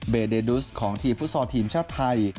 เดดุสของทีมฟุตซอลทีมชาติไทย